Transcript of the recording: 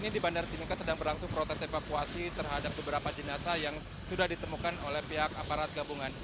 ini di bandar timika sedang berlangsung protes evakuasi terhadap beberapa jenazah yang sudah ditemukan oleh pihak aparat gabungan